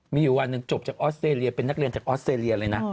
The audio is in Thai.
มีอยู่วันหนึ่งจบจากออสเตรเลียเป็นนักเรียนจากออสเตรเลียเลยนะ